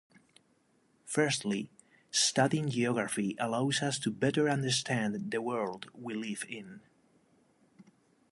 Firstly, studying geography allows us to better understand the world we live in.